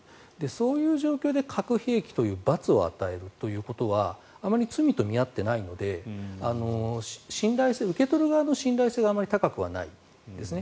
そういう状況で核兵器という罰を与えるということはあまり罪と見合っていないので受け取る側の信頼性があまり高くはない。